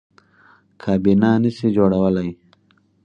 کابینه نه شي جوړولی.